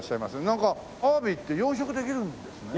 なんかアワビって養殖できるんですね。